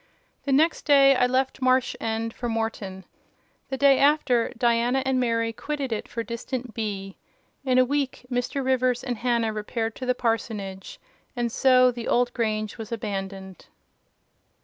The next day I left Marsh End for Morton. The day after, Diana and Mary quitted it for distant B——. In a week, Mr. Rivers and Hannah repaired to the parsonage: and so the old grange was abandoned.